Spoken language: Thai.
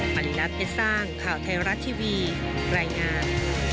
รินัทเพชรสร้างข่าวไทยรัฐทีวีรายงาน